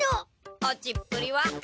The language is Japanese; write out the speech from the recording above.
落ちっぷりは？